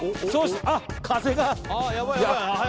あー、風が。